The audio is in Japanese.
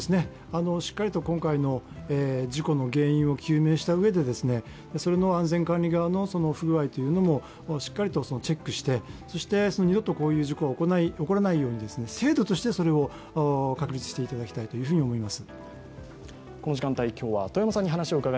しっかりと今回の事故の原因を究明したうえでそれの安全管理側の不具合もしっかりとチェックして、そして二度とこういう事故が起こらないように制度として確立していただきたいと思います。